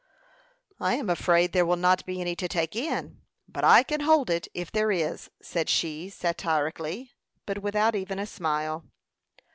"I am afraid there will not be any to take in; but I can hold it, if there is," said she, satirically, but without even a smile.